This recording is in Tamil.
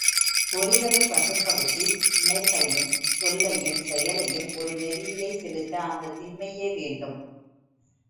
பொறிகளை வசப்படுத்தி, நினைப்பையும் சொல்லையும் செயலையும் ஒரு நெறியிலே செலுத்த அந்தத் திண்மையே வேண்டும்.